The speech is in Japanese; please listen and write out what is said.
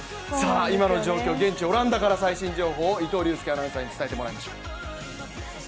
今の状況、現地から最新情報を伊藤隆佑アナウンサーに伝えてもらいます。